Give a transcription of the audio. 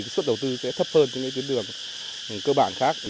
sức đầu tư sẽ thấp hơn những tiến đường cơ bản khác